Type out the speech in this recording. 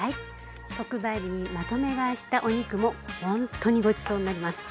特売日にまとめ買いしたお肉もほんとにごちそうになります。